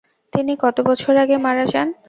তিনি কত বছর আগে মারা যান?